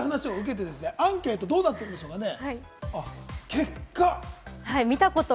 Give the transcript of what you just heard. こういった話を受けてアンケート、どうなっているでしょうかね？